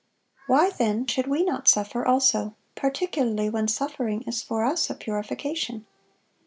Why, then, should we not suffer also, particularly when suffering is for us a purification?